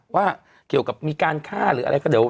ว่าเกี่ยวกับมีการฆ่าหรืออะไรก็เดี๋ยว